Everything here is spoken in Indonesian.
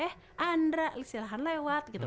eh andra silahkan lewat gitu